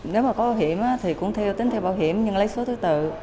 nếu mà có bảo hiểm thì cũng tính theo bảo hiểm nhưng lấy số thứ tự